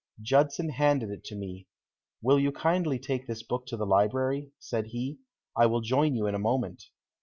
Judson handed it to me. "Will you kindly take this book to the library," said he; "I will join you in a moment."